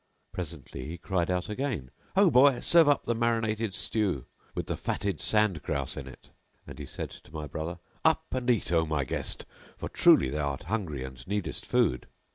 Presently he cried out again, "Ho boy, serve up the marinated stew[FN#688] with the fatted sand grouse in it;" and he said to my brother, "Up and eat, O my guest, for truly thou art hungry and needest food."